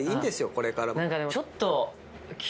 これからも。